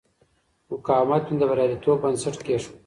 مقاومت مې د بریالیتوب بنسټ کېښود.